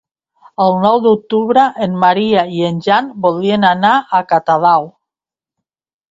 El nou d'octubre en Maria i en Jan voldrien anar a Catadau.